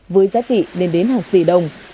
với giá trị lên đến hàng tỷ đồng